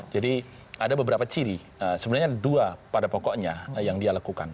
jadi ada beberapa ciri sebenarnya ada dua pada pokoknya yang dia lakukan